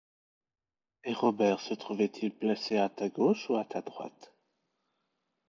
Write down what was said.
Et Robert se trouvait-il placé à ta gauche ou à ta droite?